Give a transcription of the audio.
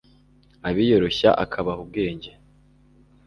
abiyoroshya akabaha ubwenge